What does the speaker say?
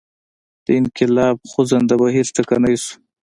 د انقلاب خوځنده بهیر ټکنی شو.